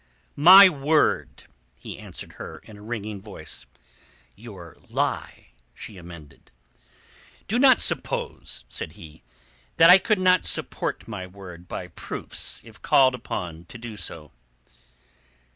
"My word," he answered her in a ringing voice. "Your lie," she amended. "Do not suppose," said he, "that I could not support my word by proofs if called upon to do so."